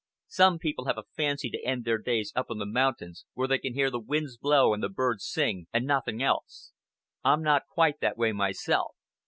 Some people have a fancy to end their days up in the mountains, where they can hear the winds blow and the birds sing, and nothing else. I'm not quite that way myself.